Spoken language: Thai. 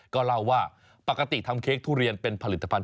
ก็เล่าว่าปกติทำเค้กทุเรียนเป็นผลิตภัณ